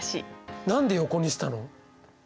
何で横にしたの？